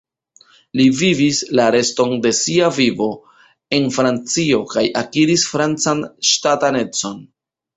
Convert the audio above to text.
Li vivis la reston de sia vivo en Francio kaj akiris francan ŝtatanecon.